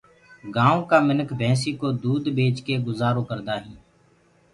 گآيونٚ ڪآ مِنک ڀيسينٚ ڪو دود ٻيچ ڪي گجآرو ڪردآ هينٚ۔